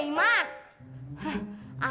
ibu sangat sangat sakit deh imah